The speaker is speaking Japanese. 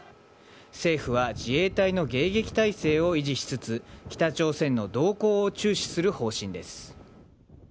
政府は自衛隊の迎撃態勢を維持しつつ北朝鮮の動向を注視する方針です。